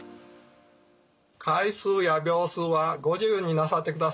回数や秒数はご自由になさってください。